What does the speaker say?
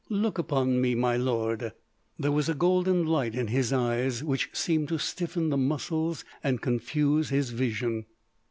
"Look upon me, my lord!" There was a golden light in his eyes which seemed to stiffen the muscles and confuse his vision.